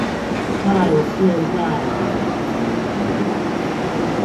但現在也沒了